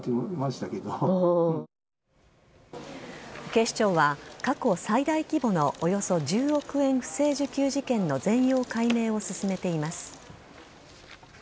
警視庁は過去最大規模のおよそ１０億円不正受給事件の全容解明を進めています。